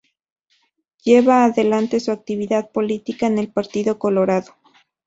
Lleva adelante su actividad política en el Partido Colorado.